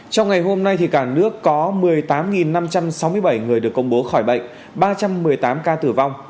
trong ngày hôm nay cả nước có một mươi tám năm trăm sáu mươi bảy người được công bố khỏi bệnh ba trăm một mươi tám ca tử vong